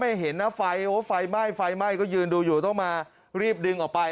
เห็นนะไฟโอ้ไฟไหม้ไฟไหม้ก็ยืนดูอยู่ต้องมารีบดึงออกไป